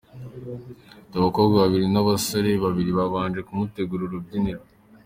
Abakobwa babiri n'abasore babiri babanje kumutegurira urubyiniro.